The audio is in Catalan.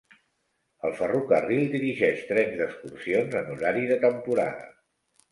El ferrocarril dirigeix trens d'excursions en horari de temporada.